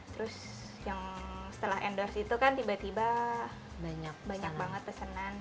terus yang setelah endorse itu kan tiba tiba banyak banget pesanan